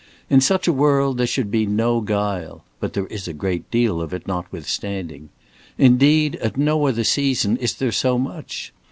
In such a world there should be no guile but there is a great deal of it notwithstanding. Indeed, at no other season is there so much.